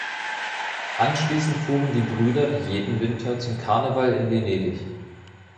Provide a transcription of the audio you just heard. Anschließend fuhren die Brüder, wie jeden Winter, zum Karneval in Venedig.